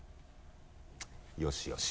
よしよし。